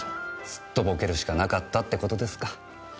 すっとぼけるしかなかったって事ですか。